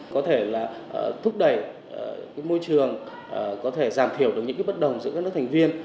có thể là thúc đẩy môi trường có thể giảm thiểu được những bất đồng giữa các nước thành viên